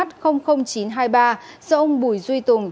do ông bùi duy tùng